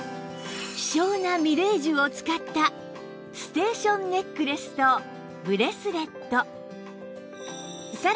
希少なみれい珠を使ったステーションネックレスとブレスレット